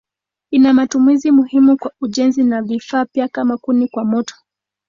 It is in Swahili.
Ina matumizi muhimu kwa ujenzi na vifaa pia kama kuni kwa moto.